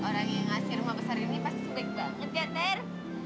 wah orang yang ngasih rumah besar ini pasti baik banget ya ter